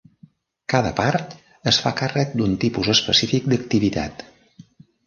Cada part es fa càrrec d'un tipus específic d'activitat.